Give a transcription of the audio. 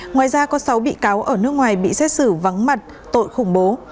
ngoài ra có sáu bị cáo ở nước ngoài bị xét xử vắng mặt tội khủng bố